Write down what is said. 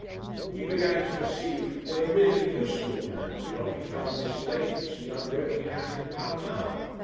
He began to perceive that a really useful man could not be found miscellaneously under every hat in Pall Mall.